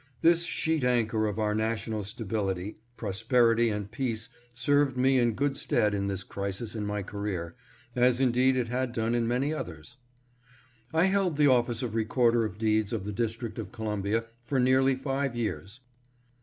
This sheet anchor of our national stability, prosperity and peace served me in good stead in this crisis in my career, as indeed it had done in many others. I held the office of Recorder of Deeds of the District of Columbia for nearly five years.